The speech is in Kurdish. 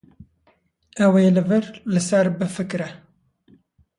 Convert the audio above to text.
Ew ê li vir li ser bifikire.